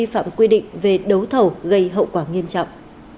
hậu quả nghiêm trọng